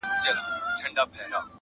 ځواني مرګ دي سم چي نه به در جارېږم,